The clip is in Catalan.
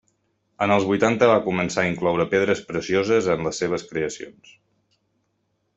En els vuitanta va començar a incloure pedres precioses en les seves creacions.